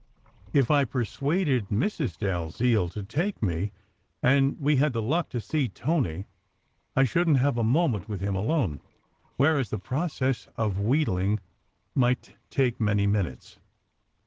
If I persuaded Mrs. Dalziel to take me, and we had the luck to see Tony, I shouldn t have a moment with him alone, whereas the process of "wheedling" might take many minutes.